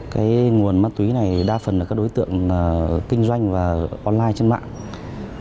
cái nguồn ma túy này đa phần là các đối tượng kinh doanh và online trên mạng